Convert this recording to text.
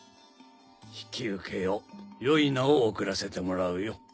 引き受けようよい名を贈らせてもらうよ。